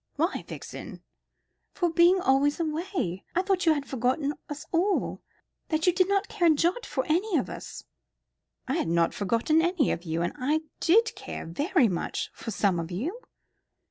"Why, Vixen?" "For being always away. I thought you had forgotten us all that you did not care a jot for any of us." "I had not forgotten any of you, and I did care very much for some of you."